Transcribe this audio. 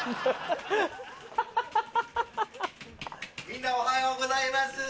みんなおはようございます